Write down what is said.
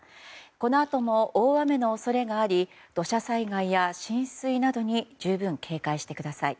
このあとも大雨の恐れがあり土砂災害や浸水などに十分警戒してください。